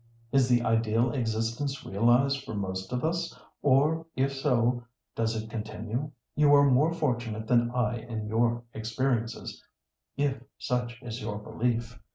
"Is the ideal existence realised for most of us, or, if so, does it continue? You are more fortunate than I in your experiences, if such is your belief."